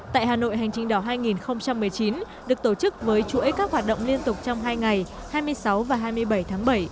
tại hà nội hành trình đỏ hai nghìn một mươi chín được tổ chức với chuỗi các hoạt động liên tục trong hai ngày hai mươi sáu và hai mươi bảy tháng bảy